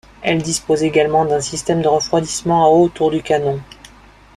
Elle disposait également d’un système de refroidissement à eau autour du canon.